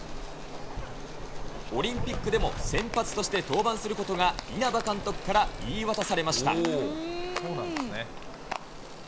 オリンピックでも先発として登板することが、稲葉監督から言い渡されました。